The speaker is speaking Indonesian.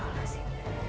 susah dirolah sih